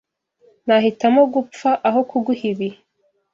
Nahitamo gupfa aho kuguha ibi.